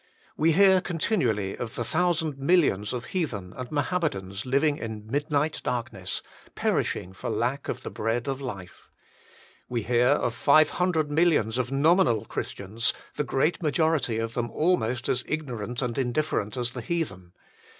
We hear continually of the thousand millions of heathen and Mohammedans living in midnight 34 THE MINISTRY OF INTERCESSION darkness, perishing for lack of the bread of life. We hear of five hundred millions of nominal Christians, the great majority of them almost as ignorant and indifferent as the heathen.